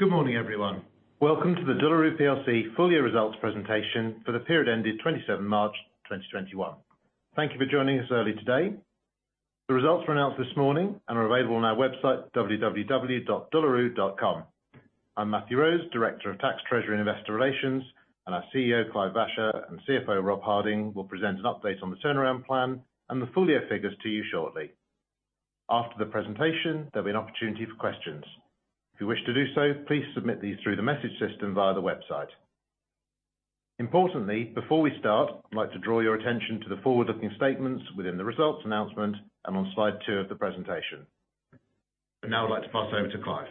Good morning everyone? Welcome to the De La Rue plc full-year results presentation for the period ending 27 March 2021. Thank you for joining us early today. The results were announced this morning and are available on our website, www.delarue.com. I'm Matthew Rose, Director of Tax, Treasury and Investor Relations, and our Chief Executive Officer, Clive Vacher, and Chief Financial Officer, Rob Harding, will present an update on the turnaround plan and the full-year figures to you shortly. After the presentation, there'll be an opportunity for questions. If you wish to do so, please submit these through the message system via the website. Importantly, before we start, I'd like to draw your attention to the forward-looking statements within the results announcement and on slide two of the presentation. I'd now like to pass over to Clive.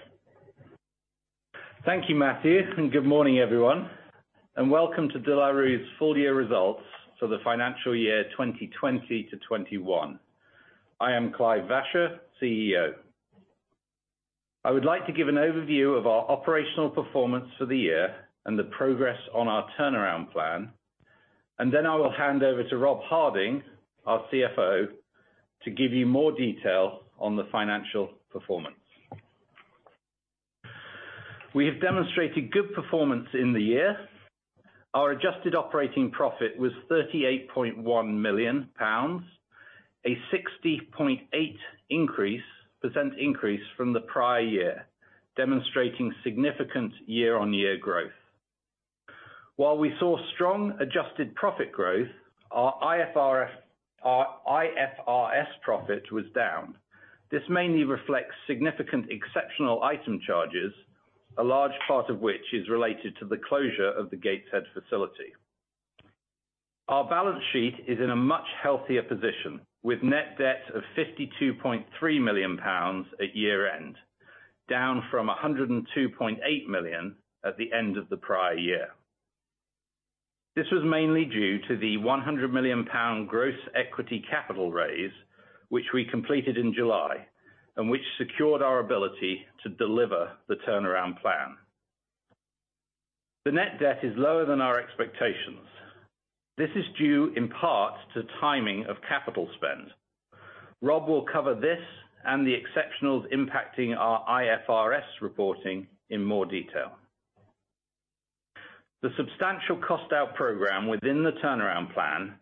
Thank you, Matthew. Good morning, everyone, and welcome to De La Rue's full-year results for the financial year 2020 to 2021. I am Clive Vacher, Chief Executive Officer. I would like to give an overview of our operational performance for the year and the progress on our turnaround plan. Then I will hand over to Rob Harding, our Chief Financial Officer, to give you more detail on the financial performance. We have demonstrated good performance in the year. Our adjusted operating profit was 38.1 million pounds, a 60.8% increase from the prior year, demonstrating significant year-on-year growth. While we saw strong adjusted profit growth, our IFRS profit was down. This mainly reflects significant exceptional item charges, a large part of which is related to the closure of the Gateshead facility. Our balance sheet is in a much healthier position with net debt of 52.3 million pounds at year-end, down from 102.8 million at the end of the prior year. This was mainly due to the 100 million pound gross equity capital raise, which we completed in July, and which secured our ability to deliver the turnaround plan. The net debt is lower than our expectations. This is due in part to timing of capital spend. Rob will cover this and the exceptionals impacting our IFRS reporting in more detail. The substantial cost-out program within the turnaround plan,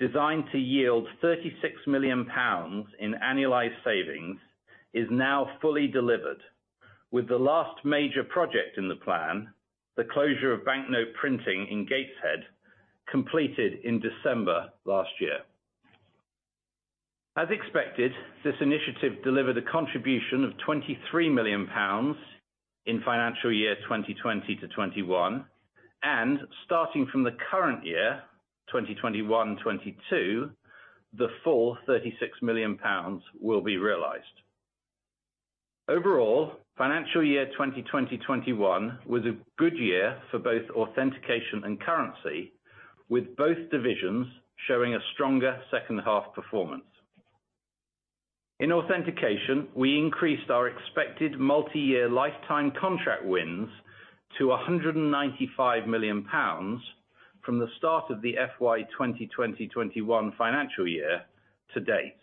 designed to yield 36 million pounds in annualized savings, is now fully delivered, with the last major project in the plan, the closure of banknote printing in Gateshead, completed in December last year. As expected, this initiative delivered a contribution of 23 million pounds in financial year 2020-2021. Starting from the current year, 2021-2022, the full 36 million pounds will be realized. Overall, financial year 2020-2021 was a good year for both authentication and currency, with both divisions showing a stronger second-half performance. In authentication, we increased our expected multiyear lifetime contract wins to 195 million pounds from the start of the FY 2020-2021 financial year to date.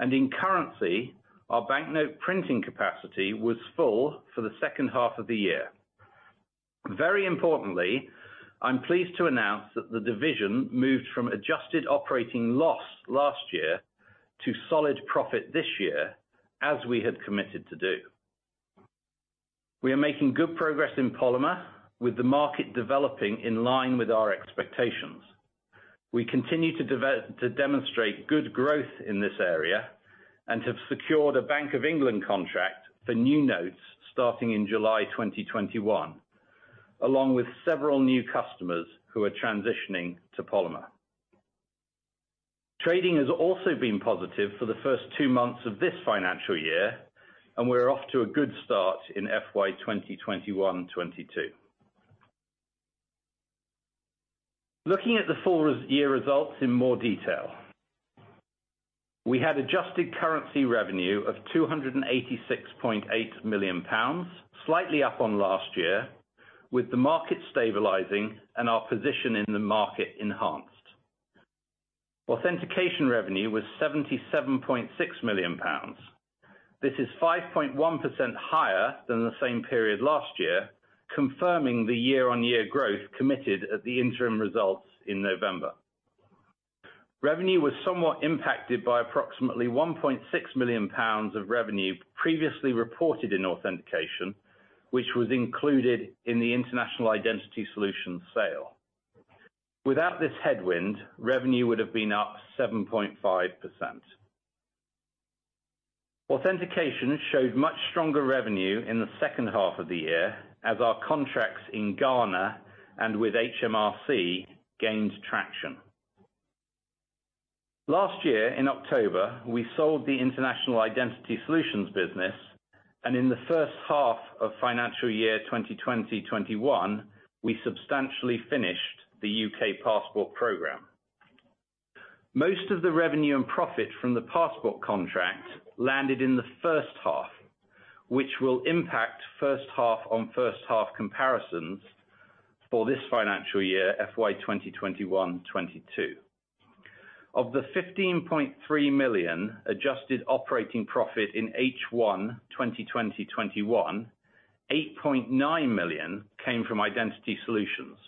In currency, our banknote printing capacity was full for the second half of the year. Very importantly, I'm pleased to announce that the division moved from Adjusted Operating Loss last year to solid profit this year as we had committed to do. We are making good progress in polymer with the market developing in line with our expectations. We continue to demonstrate good growth in this area and have secured a Bank of England contract for new notes starting in July 2021, along with several new customers who are transitioning to polymer. Trading has also been positive for the first two months of this financial year, and we're off to a good start in FY 2021-2022. Looking at the full year results in more detail. We had adjusted currency revenue of 286.8 million pounds, slightly up on last year, with the market stabilizing and our position in the market enhanced. Authentication revenue was 77.6 million pounds. This is 5.1% higher than the same period last year, confirming the year-on-year growth committed at the interim results in November. Revenue was somewhat impacted by approximately 1.6 million pounds of revenue previously reported in authentication, which was included in the International Identity Solutions sale. Without this headwind, revenue would have been up 7.5%. Authentication showed much stronger revenue in the second half of the year as our contracts in Ghana and with HMRC gained traction. Last year, in October, we sold the International Identity Solutions business, and in the first half of financial year 2020-2021, we substantially finished the U.K. passport program. Most of the revenue and profit from the passport contract landed in the first half, which will impact first half on first half comparisons for this financial year, FY 2021-2022. Of the 15.3 million adjusted operating profit in H1 2020/2021, 8.9 million came from Identity Solutions,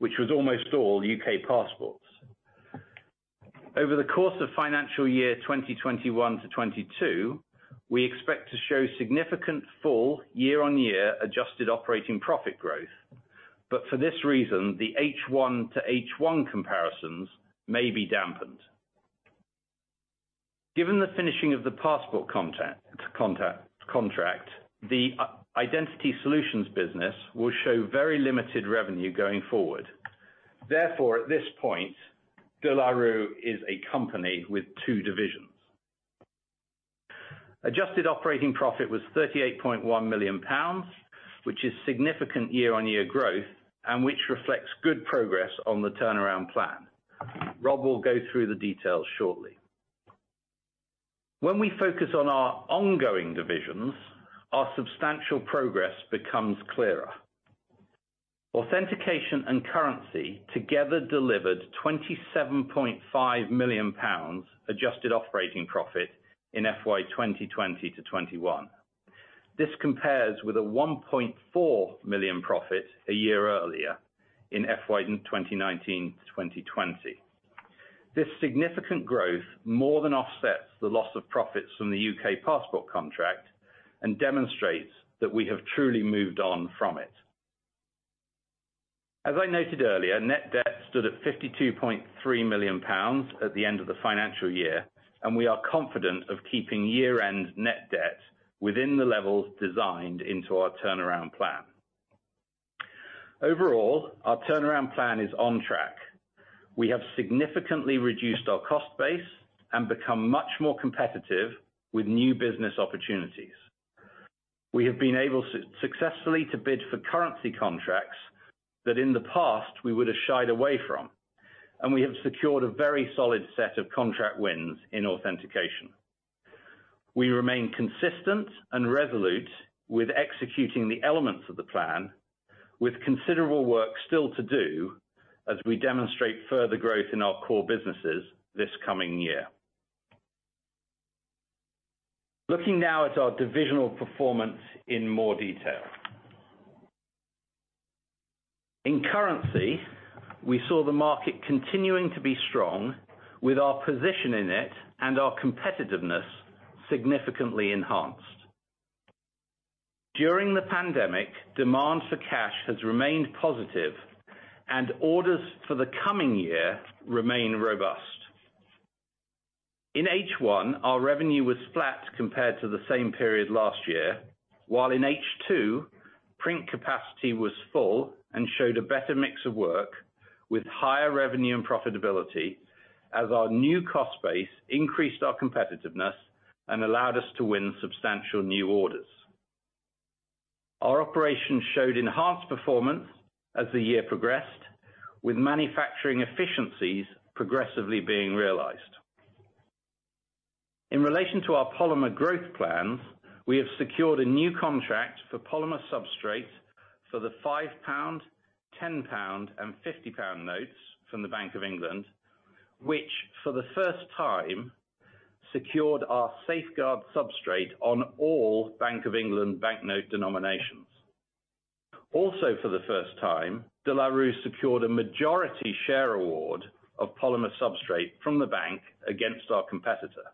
which was almost all U.K. passports. Over the course of financial year 2021 to 2022, we expect to show significant full year-on-year adjusted operating profit growth. For this reason, the H1 to H1 comparisons may be dampened. Given the finishing of the passport contract, the Identity Solutions business will show very limited revenue going forward. Therefore, at this point, De La Rue is a company with two divisions. Adjusted operating profit was 38.1 million pounds, which is significant year-on-year growth and which reflects good progress on the turnaround plan. Rob will go through the details shortly. When we focus on our ongoing divisions, our substantial progress becomes clearer. Authentication and currency together delivered 27.5 million pounds adjusted operating profit in FY 2020 to 2021. This compares with a 1.4 million profit a year earlier in FY 2019 to 2020. This significant growth more than offsets the loss of profits from the U.K. passport contract and demonstrates that we have truly moved on from it. As I noted earlier, net debt stood at 52.3 million pounds at the end of the financial year, and we are confident of keeping year-end net debt within the levels designed into our turnaround plan. Overall, our turnaround plan is on track. We have significantly reduced our cost base and become much more competitive with new business opportunities. We have been able to successfully bid for currency contracts that in the past we would have shied away from, and we have secured a very solid set of contract wins in authentication. We remain consistent and resolute with executing the elements of the plan, with considerable work still to do as we demonstrate further growth in our core businesses this coming year. Looking now at our divisional performance in more detail. In currency, we saw the market continuing to be strong with our position in it and our competitiveness significantly enhanced. During the pandemic, demand for cash has remained positive and orders for the coming year remain robust. In H1, our revenue was flat compared to the same period last year, while in H2, print capacity was full and showed a better mix of work with higher revenue and profitability as our new cost base increased our competitiveness and allowed us to win substantial new orders. Our operations showed enhanced performance as the year progressed, with manufacturing efficiencies progressively being realized. In relation to our polymer growth plans, we have secured a new contract for polymer substrates for the 5 pound, 10 pound, and 50 pound notes from the Bank of England, which for the first time secured our SAFEGUARD substrate on all Bank of England banknote denominations. For the first time, De La Rue secured a majority share award of polymer substrate from the bank against our competitor.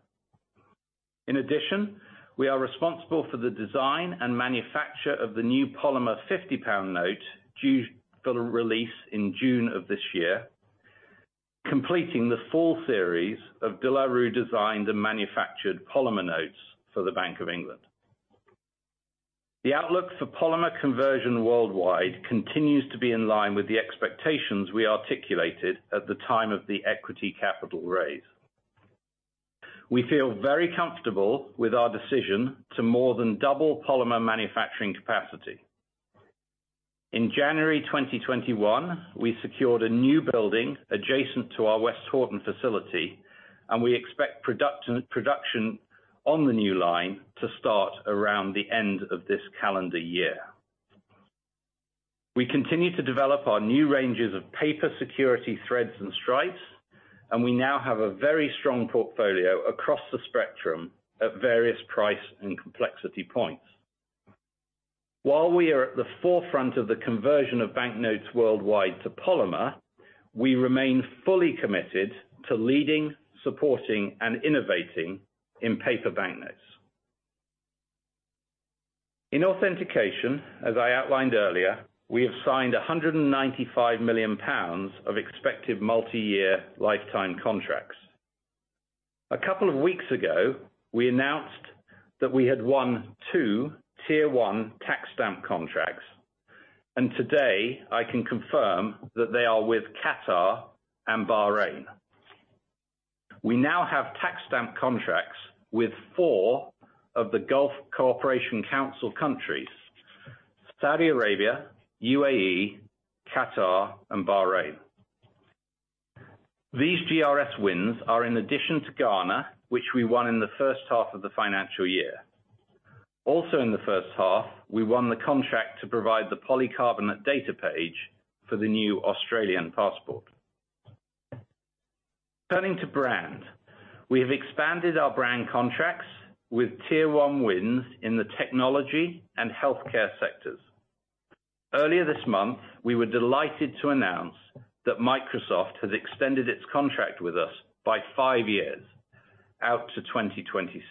In addition, we are responsible for the design and manufacture of the new polymer 50 pound note due for release in June of this year, completing the full series of De La Rue designed and manufactured polymer notes for the Bank of England. The outlook for polymer conversion worldwide continues to be in line with the expectations we articulated at the time of the equity capital raise. We feel very comfortable with our decision to more than double polymer manufacturing capacity. In January 2021, we secured a new building adjacent to our Westhoughton facility, and we expect production on the new line to start around the end of this calendar year. We continue to develop our new ranges of paper security threads and stripes, and we now have a very strong portfolio across the spectrum at various price and complexity points. While we are at the forefront of the conversion of banknotes worldwide to polymer, we remain fully committed to leading, supporting, and innovating in paper banknotes. In authentication, as I outlined earlier, we have signed 195 million pounds of expected multi-year lifetime contracts. A couple of weeks ago we announced that we had won a two Tier 1 tax stamp contracts. Today I can confirm that they are with Qatar and Bahrain. We now have tax stamp contracts with four of the Gulf Cooperation Council countries, Saudi Arabia, UAE, Qatar, and Bahrain. These GRS wins are in addition to Ghana, which we won in the first half of the financial year. Also in the first half, we won the contract to provide the polycarbonate data page for the new Australian passport. Turning to brand. We have expanded our brand contracts with Tier 1 wins in the technology and healthcare sectors. Earlier this month, we were delighted to announce that Microsoft has extended its contract with us by five years out to 2026.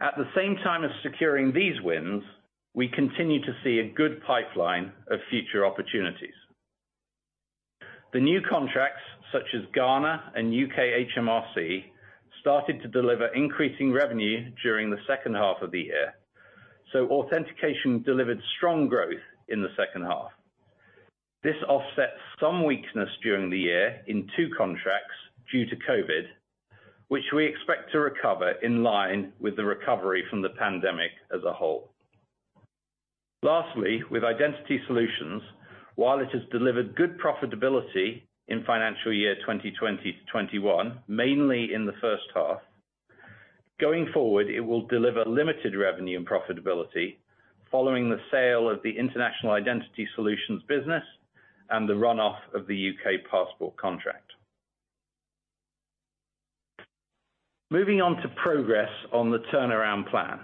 At the same time of securing these wins, we continue to see a good pipeline of future opportunities. The new contracts, such as Ghana and U.K. HMRC, started to deliver increasing revenue during the second half of the year. Authentication delivered strong growth in the second half. This offsets some weakness during the year in two contracts due to COVID-19, which we expect to recover in line with the recovery from the pandemic as a whole. Lastly, with Identity Solutions, while it has delivered good profitability in financial year 2020 to 2021, mainly in the first half, going forward, it will deliver limited revenue and profitability following the sale of the International Identity Solutions business and the runoff of the U.K. passport contract. Moving on to progress on the turnaround plan.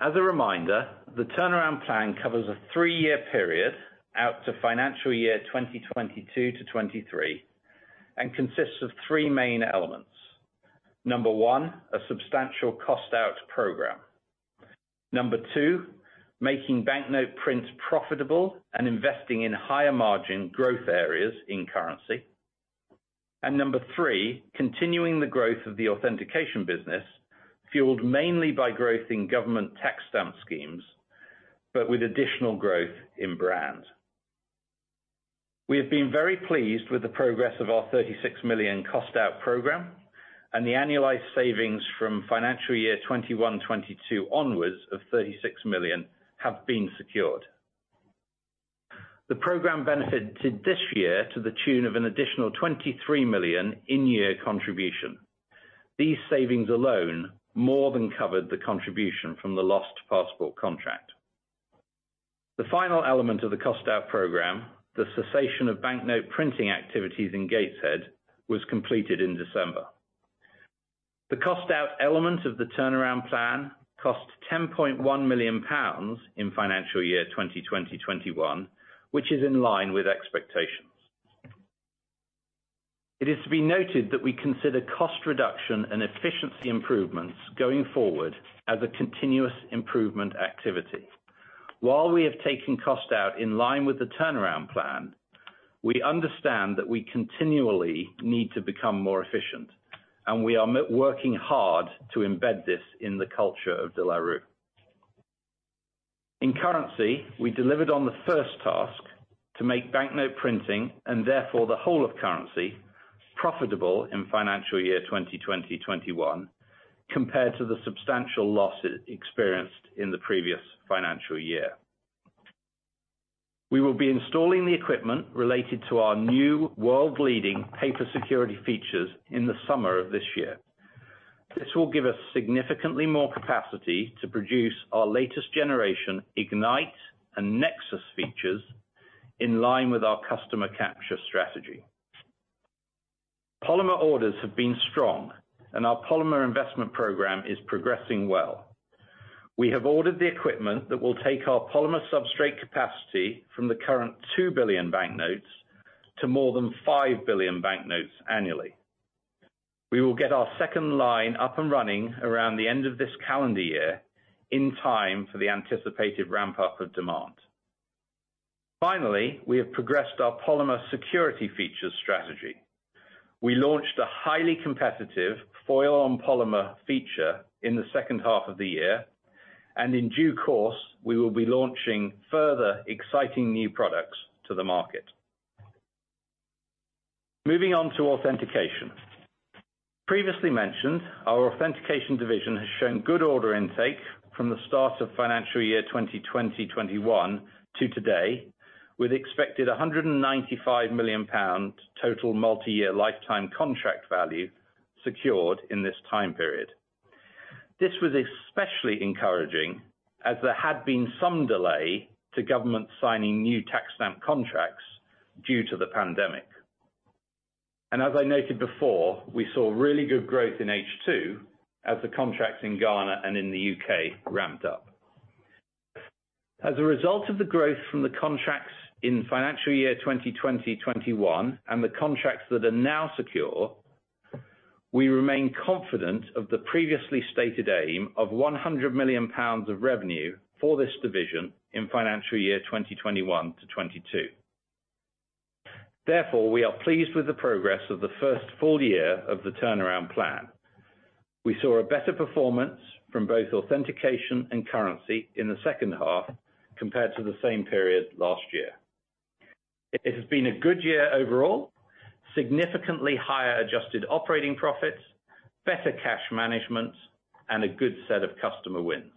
As a reminder, the turnaround plan covers a three-year period out to financial year 2022 to 2023 and consists of three main elements. Number one, a substantial cost-out program. Number two, making banknote print profitable and investing in higher margin growth areas in currency. Number three, continuing the growth of the authentication business, fueled mainly by growth in government tax stamp schemes, but with additional growth in brand. We have been very pleased with the progress of our 36 million cost-out program. The annualized savings from financial year 2021, 2022 onwards of 36 million have been secured. The program benefited this year to the tune of an additional 23 million in-year contribution. These savings alone more than covered the contribution from the lost passport contract. The final element of the cost-out program, the cessation of banknote printing activities in Gateshead, was completed in December. The cost-out element of the turnaround plan cost 10.1 million pounds in financial year 2020/21, which is in line with expectations. It is to be noted that we consider cost reduction and efficiency improvements going forward as a continuous improvement activity. While we have taken cost out in line with the turnaround plan, we understand that we continually need to become more efficient, and we are working hard to embed this in the culture of De La Rue. In currency, we delivered on the first task to make banknote printing, and therefore the whole of currency, profitable in financial year 2020/2021, compared to the substantial losses experienced in the previous financial year. We will be installing the equipment related to our new world-leading paper security features in the summer of this year. This will give us significantly more capacity to produce our latest generation IGNITE and Nexus features in line with our customer capture strategy. Polymer orders have been strong. Our polymer investment program is progressing well. We have ordered the equipment that will take our polymer substrate capacity from the current two billion banknotes to more than five billion banknotes annually. We will get our second line up and running around the end of this calendar year in time for the anticipated ramp-up of demand. Finally, we have progressed our polymer security features strategy. We launched a highly competitive foil on polymer feature in the second half of the year, and in due course, we will be launching further exciting new products to the market. Moving on to authentication. Previously mentioned, our authentication division has shown good order intake from the start of financial year 2020/2021 to today, with expected 195 million pound total multi-year lifetime contract value secured in this time period. This was especially encouraging as there had been some delay to government signing new tax stamp contracts due to the pandemic. As I noted before, we saw really good growth in H2 as the contracts in Ghana and in the U.K. ramped up. As a result of the growth from the contracts in financial year 2020/2021 and the contracts that are now secure, we remain confident of the previously stated aim of 100 million pounds of revenue for this division in financial year 2021 to 2022. Therefore, we are pleased with the progress of the first full year of the turnaround plan. We saw a better performance from both authentication and currency in the second half compared to the same period last year. It has been a good year overall, significantly higher adjusted operating profits, better cash management, and a good set of customer wins.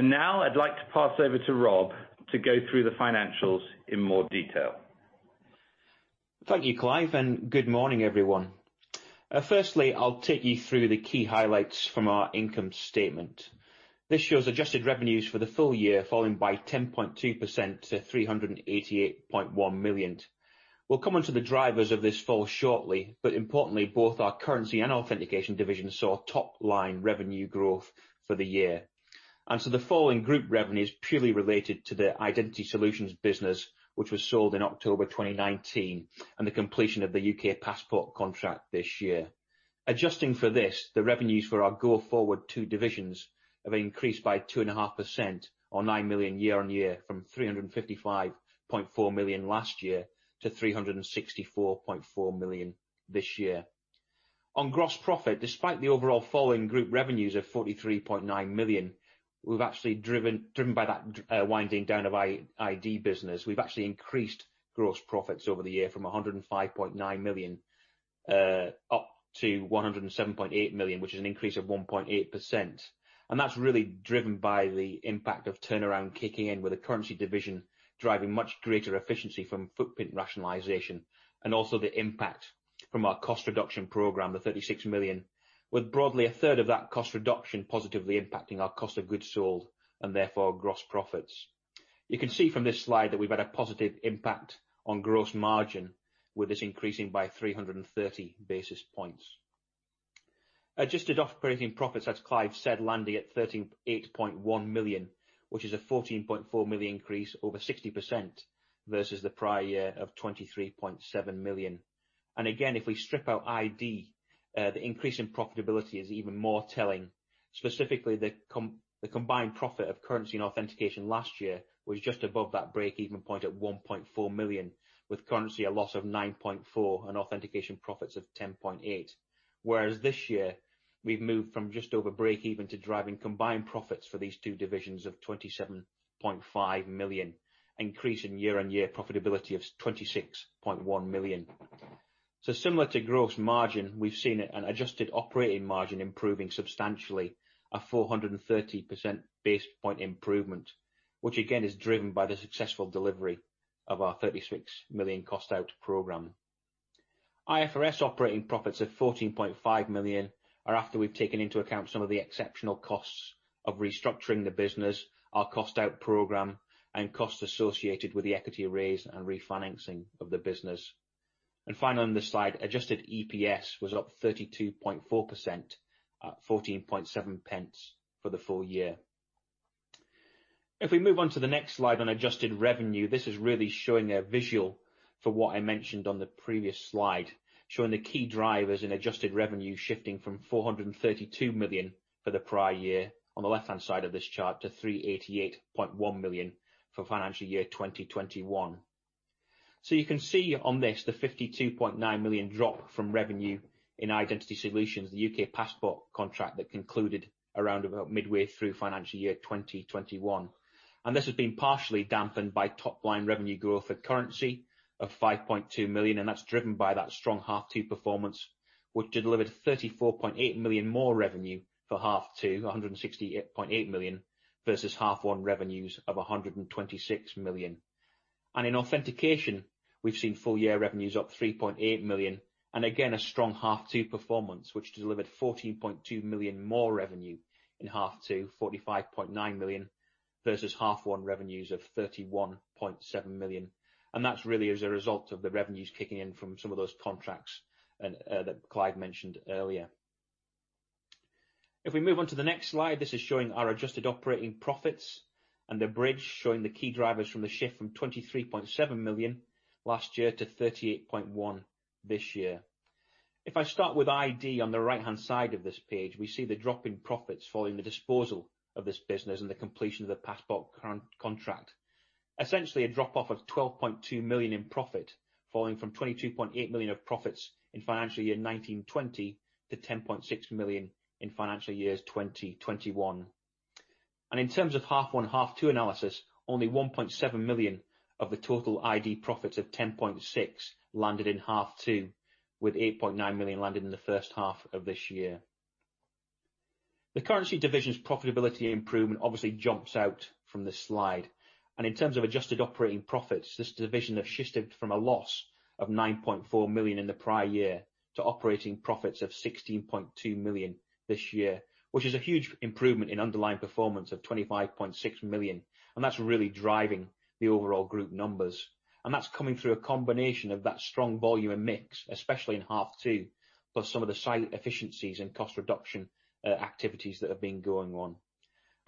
Now I'd like to pass over to Rob to go through the financials in more detail. Thank you, Clive, and good morning, everyone. Firstly, I'll take you through the key highlights from our income statement. This shows adjusted revenues for the full year falling by 10.2% to 388.1 million. We'll come on to the drivers of this fall shortly, but importantly, both our currency and authentication divisions saw top-line revenue growth for the year. The fall in group revenue is purely related to the Identity Solutions business which was sold in October 2019, and the completion of the U.K. passport contract this year. Adjusting for this, the revenues for our go forward two divisions have increased by 2.5% or 9 million year-on-year, from 355.4 million last year to 364.4 million this year. On gross profit, despite the overall fall in group revenues of 43.9 million, driven by that winding down of our ID business, we've actually increased gross profits over the year from 105.9 million up to 107.8 million, which is an increase of 1.8%. That's really driven by the impact of turnaround kicking in with the currency division driving much greater efficiency from footprint rationalization, and also the impact from our cost reduction program, the 36 million, with broadly a 1/3 of that cost reduction positively impacting our cost of goods sold and therefore gross profits. You can see from this slide that we've had a positive impact on gross margin, with this increasing by 330 basis points. Adjusted operating profits, as Clive said, landing at 38.1 million, which is a 14.4 million increase, over 60% versus the prior year of 23.7 million. Again, if we strip out ID, the increase in profitability is even more telling. Specifically, the combined profit of currency and authentication last year was just above that break-even point at 1.4 million, with currency a loss of 9.4 million and authentication profits of 10.8 million. Whereas this year, we've moved from just over break-even to driving combined profits for these two divisions of 27.5 million, increasing year-on-year profitability of 26.1 million. Similar to gross margin, we've seen an adjusted operating margin improving substantially at 430 basis point improvement, which again is driven by the successful delivery of our 36 million cost-out program. IFRS operating profits of 14.5 million are after we've taken into account some of the exceptional costs of restructuring the business, our cost-out program, and costs associated with the equity raise and refinancing of the business. Finally, on this slide, adjusted EPS was up 32.4% at 0.147 for the full year. If we move on to the next slide on adjusted revenue, this is really showing a visual for what I mentioned on the previous slide. Showing the key drivers in adjusted revenue shifting from 432 million for the prior year on the left-hand side of this chart to 388.1 million for financial year 2021. You can see on this the 52.9 million drop from revenue in Identity Solutions, the U.K. passport contract that concluded around about midway through financial year 2021. This has been partially dampened by top-line revenue growth of currency of 5.2 million, and that's driven by that strong half two performance, which delivered 34.8 million more revenue for half two, 168.8 million, versus half one revenues of 126 million. In authentication, we've seen full-year revenues up 3.8 million. Again, a strong half two performance, which delivered 14.2 million more revenue in half two, 45.9 million, versus half one revenues of 31.7 million. That really is a result of the revenues kicking in from some of those contracts that Clive mentioned earlier. If we move on to the next slide, this is showing our adjusted operating profits and a bridge showing the key drivers from the shift from 23.7 million last year to 38.1 million this year. If I start with ID on the right-hand side of this page, we see the drop in profits following the disposal of this business and the completion of the passport contract. Essentially a drop-off of 12.2 million in profit, falling from 22.8 million of profits in financial year 2019/2020 to 10.6 million in financial year 2020/2021. Half one/half two analysis, only 1.7 million of the total ID profits of 10.6 million landed in half two, with 8.9 million landing in the first half of this year. The currency division's profitability improvement obviously jumps out from this slide. Adjusted operating profits, this division has shifted from a loss of 9.4 million in the prior year to operating profits of 16.2 million this year. Which is a huge improvement in underlying performance of 25.6 million. That's really driving the overall group numbers. That's coming through a combination of that strong volume mix, especially in half two, plus some of the side efficiencies and cost reduction activities that have been going on.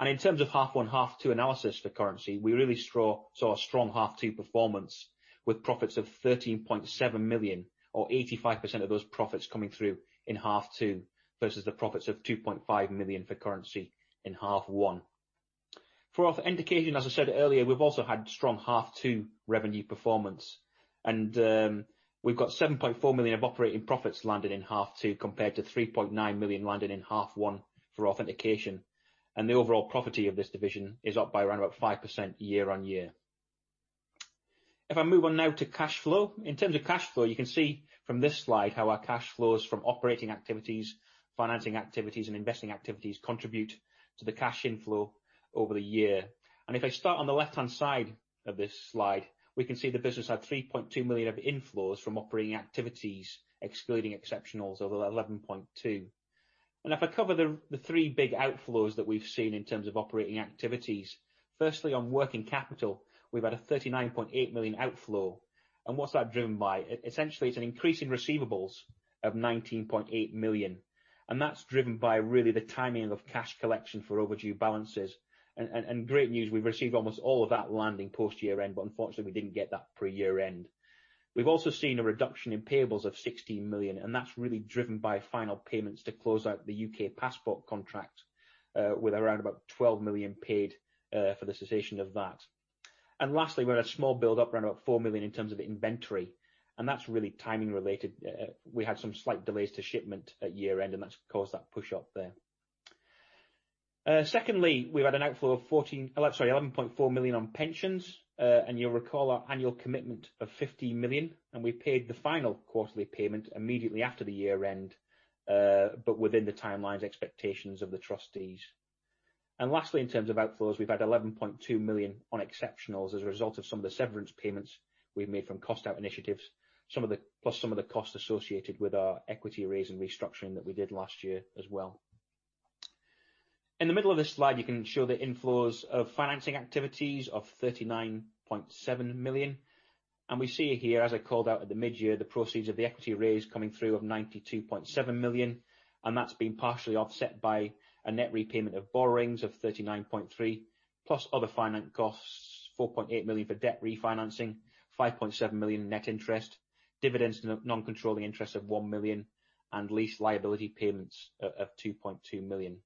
In terms of half one/half two analysis for currency, we really saw a strong half two performance, with profits of 13.7 million or 85% of those profits coming through in half two versus the profits of 2.5 million for currency in half one. For authentication, as I said earlier, we've also had strong half two revenue performance, and we've got 7.4 million of operating profits landing in half two compared to 3.9 million landing in half one for authentication. The overall profit of this division is up by around about 5% year-on-year. If I move on now to cash flow. In terms of cash flow, you can see from this slide how our cash flows from operating activities, financing activities, and investing activities contribute to the cash inflow over the year. If I start on the left-hand side of this slide, we can see the business had 3.2 million of inflows from operating activities, excluding exceptionals over 11.2 million. If I cover the three big outflows that we've seen in terms of operating activities, firstly, on working capital, we've had a 39.8 million outflow. What's that driven by? Essentially, it's an increase in receivables of 19.8 million, and that's driven by really the timing of cash collection for overdue balances. Great news, we've received almost all of that landing post year-end, but unfortunately, we didn't get that pre-year-end. We've also seen a reduction in payables of 16 million, and that's really driven by final payments to close out the U.K. passport contract, with around about 12 million paid for the cessation of that. Lastly, we had a small build up around 4 million in terms of inventory, and that's really timing related. We had some slight delays to shipment at year-end, and that's caused that push up there. Secondly, we had an outflow of 11.4 million on pensions. You'll recall our annual commitment of 15 million, and we paid the final quarterly payment immediately after the year-end, but within the timelines expectations of the trustees. Lastly, in terms of outflows, we've had 11.2 million on exceptionals as a result of some of the severance payments we made from cost out initiatives, plus some of the costs associated with our equity raise and restructuring that we did last year as well. In the middle of this slide, you can ensure the inflows of financing activities of 39.7 million. We see here, as I called out at the mid-year, the proceeds of the equity raise coming through of 92.7 million, and that's been partially offset by a net repayment of borrowings of 39.3, plus other finance costs, 4.8 million for debt refinancing, 5.7 million net interest, dividends and non-controlling interest of 1 million, and lease liability payments of 2.2 million.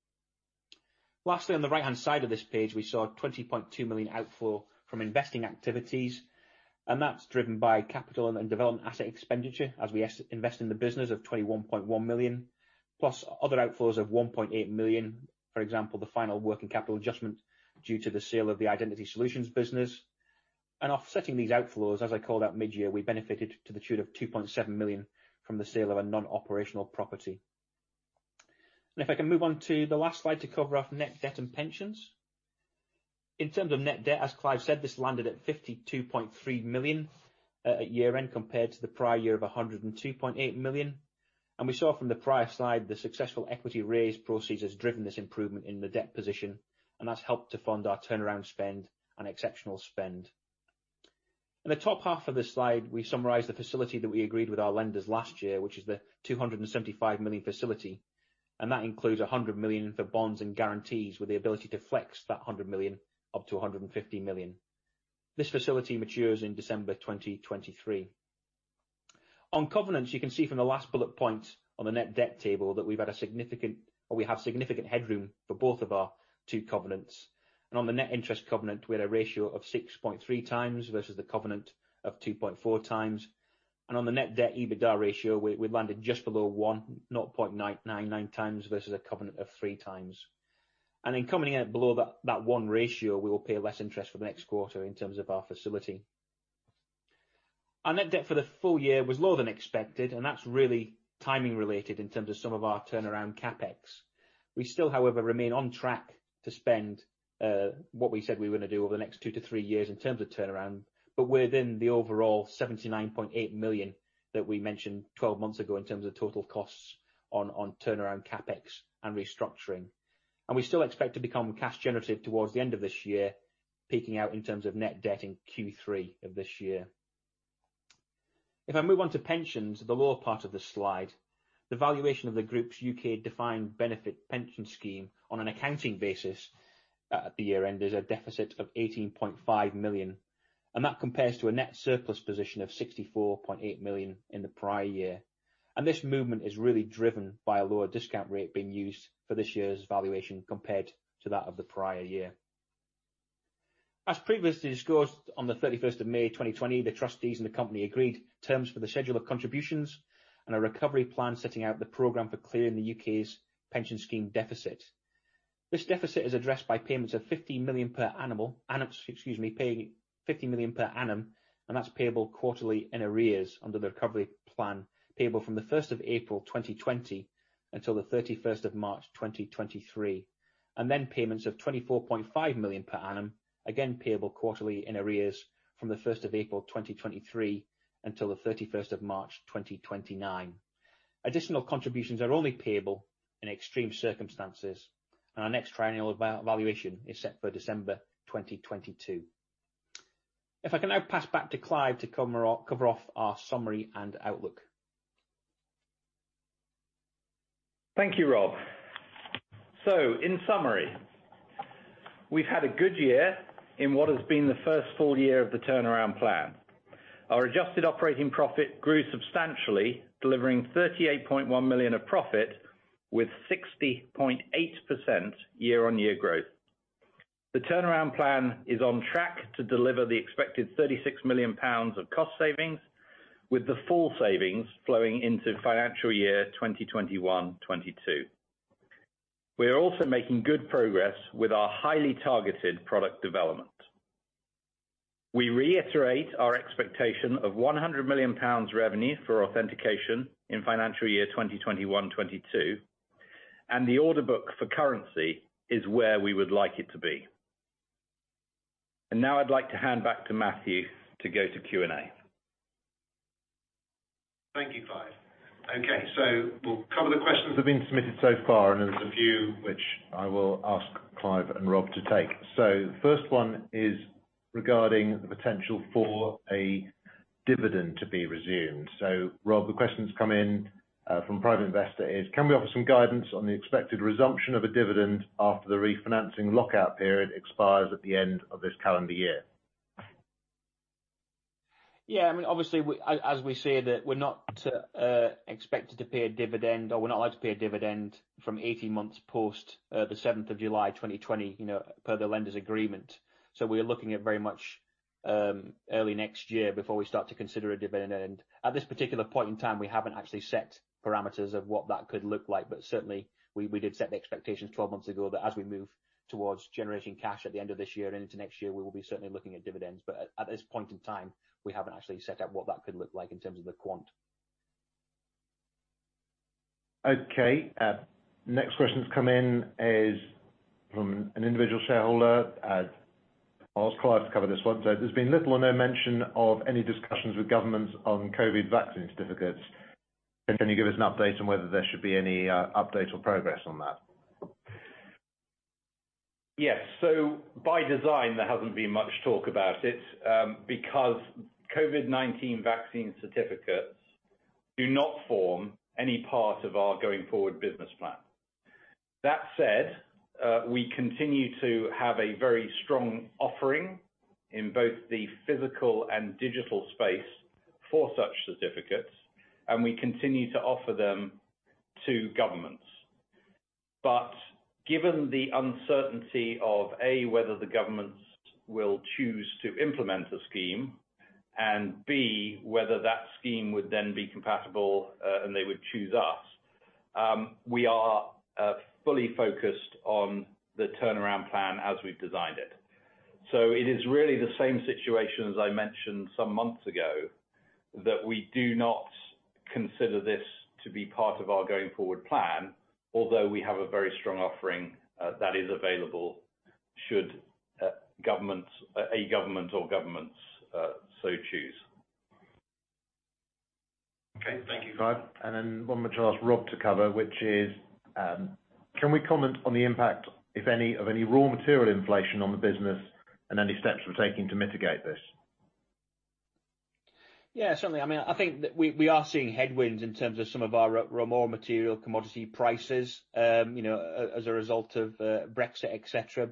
Lastly, on the right-hand side of this page, we saw a 20.2 million outflow from investing activities, that's driven by capital and development asset expenditure as we invest in the business of 21.1 million, plus other outflows of 1.8 million, for example, the final working capital adjustment due to the sale of the Identity Solutions business. Offsetting these outflows, as I called out mid-year, we benefited to the tune of 2.7 million from the sale of a non-operational property. If I can move on to the last slide to cover off net debt and pensions. In terms of net debt, as Clive said, this landed at 52.3 million at year-end compared to the prior year of 102.8 million. We saw from the prior slide, the successful equity raise proceeds has driven this improvement in the debt position, and that's helped to fund our turnaround spend and exceptional spend. In the top half of the slide, we summarized the facility that we agreed with our lenders last year, which is the 275 million facility, and that includes 100 million for bonds and guarantees with the ability to flex that 100 million up to 150 million. This facility matures in December 2023. On covenants, you can see from the last bullet point on the net debt table that we have significant headroom for both of our two covenants. On the net interest covenant, we had a ratio of 6.3x versus the covenant of 2.4x. On the net debt EBITDA ratio, we landed just below 1, 0.99x versus a covenant of 3x. In coming out below that one ratio, we will pay less interest from next quarter in terms of our facility. Our net debt for the full year was lower than expected, and that's really timing related in terms of some of our turnaround CapEx. We still, however, remain on track to spend what we said we were going to do over the next two to three years in terms of turnaround, but within the overall 79.8 million that we mentioned 12 months ago in terms of total costs on turnaround CapEx and restructuring. We still expect to become cash generative towards the end of this year, peaking out in terms of net debt in Q3 of this year. If I move on to pensions, the lower part of the slide. The valuation of the group's U.K. defined benefit pension scheme on an accounting basis at the year-end is a deficit of 18.5 million, and that compares to a net surplus position of 64.8 million in the prior year. This movement is really driven by a lower discount rate being used for this year's valuation compared to that of the prior year. As previously disclosed on May 31, 2020, the trustees and the company agreed terms for the schedule of contributions and a recovery plan setting out the program for clearing the U.K.'s pension scheme deficit. This deficit is addressed by payments of [50 million] per annum, that's payable quarterly in arrears under the recovery plan, payable from April 1, 2020 until March 31, 2023. Then payments of 24.5 million per annum, again payable quarterly in arrears from April 1, 2023 until March 31, 2029. Additional contributions are only payable in extreme circumstances, our next triennial valuation is set for December 2022. I can now pass back to Clive to cover off our summary and outlook. Thank you, Rob. In summary, we've had a good year in what has been the first full year of the turnaround plan. Our adjusted operating profit grew substantially, delivering 38.1 million of profit with 60.8% year-on-year growth. The turnaround plan is on track to deliver the expected 36 million pounds of cost savings, with the full savings flowing into financial year 2021/2022. We are also making good progress with our highly targeted product development. We reiterate our expectation of 100 million pounds revenue for authentication in financial year 2021/2022, the order book for currency is where we would like it to be. Now I'd like to hand back to Matthew to go to Q&A. Thank you, Clive. Okay. A couple of questions have been submitted so far, and there's a few which I will ask Clive and Rob to take. The first one is regarding the potential for a dividend to be resumed. Rob, the question's come in from Private Investor is, can we have some guidance on the expected resumption of a dividend after the refinancing lockout period expires at the end of this calendar year? Obviously, as we say, that we're not expected to pay a dividend, or we're not allowed to pay a dividend from 18 months post July 7, 2020 per the lenders' agreement. We're looking at very much early next year before we start to consider a dividend. At this particular point in time, we haven't actually set parameters of what that could look like. Certainly, we did set the expectation 12 months ago that as we move towards generating cash at the end of this year and into next year, we will be certainly looking at dividends. At this point in time, we haven't actually set out what that could look like in terms of the quant. Okay. Next question's come in is from an individual shareholder. I'll ask Clive to cover this one. There's been little or no mention of any discussions with governments on COVID vaccine certificates. Can you give us an update on whether there should be any updates or progress on that? Yes. By design, there hasn't been much talk about it, because COVID-19 vaccine certificates do not form any part of our going-forward business plan. That said, we continue to have a very strong offering in both the physical and digital space for such certificates, and we continue to offer them to governments. Given the uncertainty of, A, whether the governments will choose to implement a scheme, and B, whether that scheme would then be compatible and they would choose us, we are fully focused on the turnaround plan as we've designed it. It is really the same situation as I mentioned some months ago, that we do not consider this to be part of our going-forward plan, although we have a very strong offering that is available should a government or governments so choose. Okay, thank you, Clive. One which I'll ask Rob to cover, which is, can we comment on the impact, if any, of any raw material inflation on the business and any steps we're taking to mitigate this? Yeah, certainly. I think that we are seeing headwinds in terms of some of our raw material commodity prices as a result of Brexit, et cetera.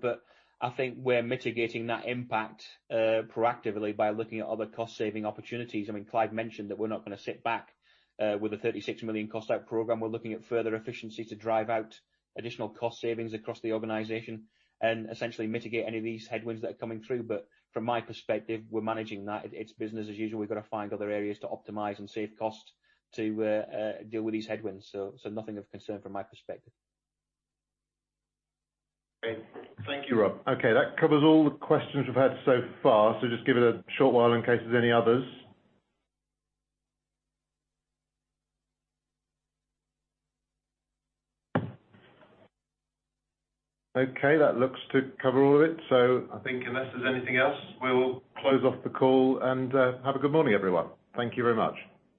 I think we're mitigating that impact proactively by looking at other cost-saving opportunities. Clive mentioned that we're not going to sit back with a 36 million cost out program. We're looking at further efficiency to drive out additional cost savings across the organization and essentially mitigate any of these headwinds that are coming through. From my perspective, we're managing that. It's business as usual. We've got to find other areas to optimize and save costs to deal with these headwinds. Nothing of concern from my perspective. Great. Thank you, Rob. Okay. That covers all the questions we've had so far. Just give it a short while in case there's any others. Okay, that looks to cover all of it. I think unless there's anything else, we'll close off the call, and have a good morning, everyone. Thank you very much.